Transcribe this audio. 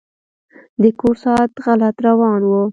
د کور ساعت غلط روان و.